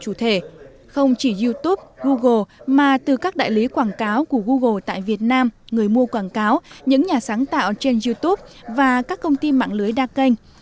chủ thể không chỉ youtube google mà từ các đại lý quảng cáo của google tại việt nam người mua quảng cáo những nhà sáng tạo trên youtube và các công ty mạng lưới đa kênh